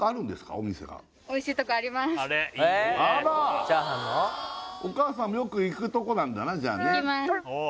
お店があらお母さんもよく行くとこなんだなじゃあね